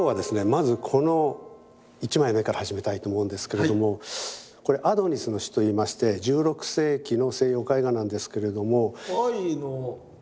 まずこの一枚の絵から始めたいと思うんですけれどもこれ「アドニスの死」といいまして１６世紀の西洋絵画なんですけれども。